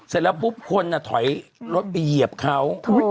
เสร็จแล้วปุ๊บคนถอยรถไปเหยียบเขา